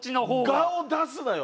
我を出すなよ！